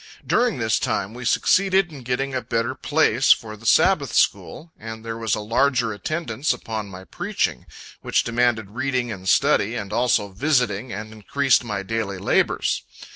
During this time we succeeded in getting a better place for the Sabbath school, and there was a larger attendance upon my preaching, which demanded reading and study, and also visiting, and increased my daily labors.